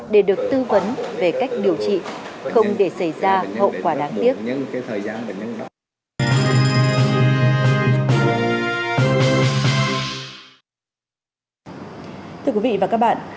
để được tư vấn về cách chữa bệnh